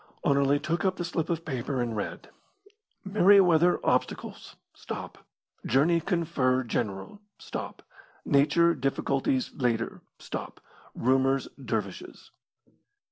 Anerley took up the slip of paper and read: Merryweather obstacles stop journey confer general stop nature difficulties later stop rumours dervishes.